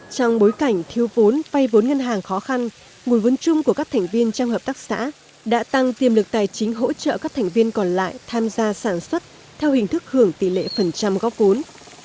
trong bối cảnh thiếu vốn vay vốn ngân hàng khó khăn nguồn vốn chung của các thành viên trong hợp tác xã đã tăng tiềm lực tài chính hỗ trợ các thành viên còn lại tham gia sản xuất theo hình thức hưởng tỷ lệ phần trăm góp vốn